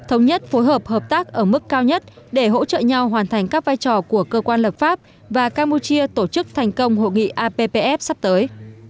ở mức cao nhất để hỗ trợ nhau hoàn thành các vai trò của cơ quan lập pháp và campuchia tổ chức thành công hội nghị appf sắp tới